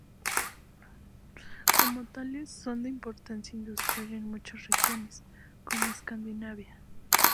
Como tales, son de importancia industrial en muchas regiones, como Escandinavia.